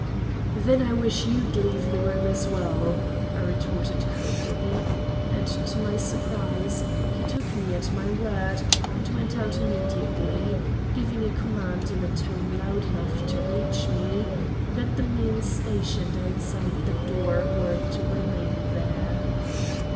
"Then I wish you'd leave the room as well," I retorted curtly, and, to my surprise, he took me at my word, and went out immediately, giving a command, in a tone loud enough to reach me, that the men stationed outside the door were to remain there.